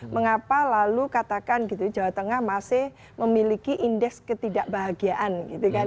mengapa lalu katakan gitu jawa tengah masih memiliki indeks ketidakbahagiaan gitu kan